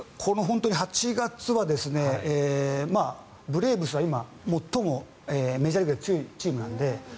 ８月はブレーブスは今、最もメジャーリーグで強いチームなので。